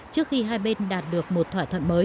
trước khi hai bên đạt được một thỏa thuận mới